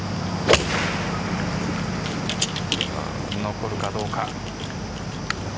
残るかどうか。